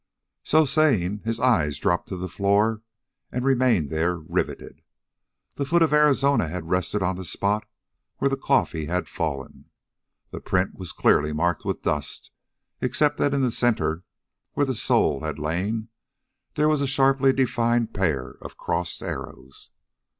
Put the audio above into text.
So saying, his eye dropped to the floor and remained there, riveted. The foot of Arizona had rested on the spot where the coffee had fallen. The print was clearly marked with dust, except that in the center, where the sole had lain, there was a sharply defined pair of crossed arrows!